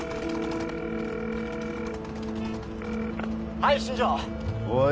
☎はい新庄おい